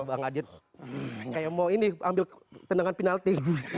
bang adit kayak mau ini ambil tendangan penalti